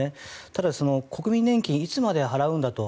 ただ、国民年金いつまで払うんだと。